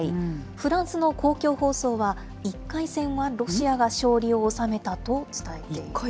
フランスの公共放送は、１回戦はロシアが勝利を収めたと伝えています。